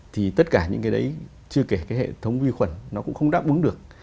thì tất cả những cái đấy chưa kể cái hệ thống vi khuẩn nó cũng không đáp ứng được